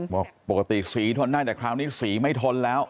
บอกปกติสีทนได้แต่คราวนี้สีไม่ทนแล้ว